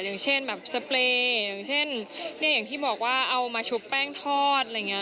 อย่างเช่นแบบสเปรย์อย่างเช่นเนี่ยอย่างที่บอกว่าเอามาชุบแป้งทอดอะไรอย่างนี้